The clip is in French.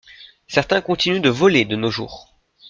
Certains continuent de voler de nos jours.